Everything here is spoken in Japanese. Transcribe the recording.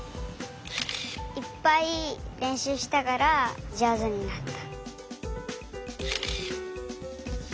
いっぱいれんしゅうしたからじょうずになった。